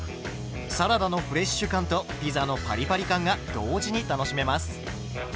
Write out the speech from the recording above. サラダのフレッシュ感とピザのパリパリ感が同時に楽しめます。